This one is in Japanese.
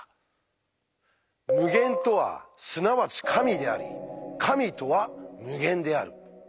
無限とはすなわち「神」であり神とは無限である。